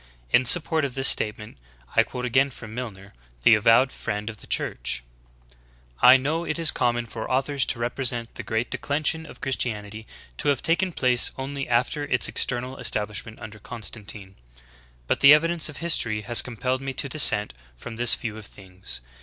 In support of ihis state ment, I quote again from Milner, the avowed friend of the Church : "I know it is common for authors to represent the great declension of Christianity to have taken place only after its external establishment under Constantine. But the evidence of history has compelled me to dissent from this view of things.